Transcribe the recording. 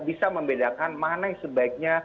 bisa membedakan mana yang sebaiknya